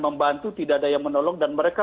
membantu tidak ada yang menolong dan mereka